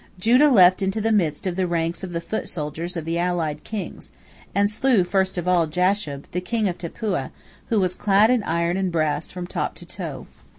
Judah leapt into the midst of the ranks of the foot soldiers of the allied kings, and slew first of all Jashub, the king of Tappuah, who was clad in iron and brass from top to toe.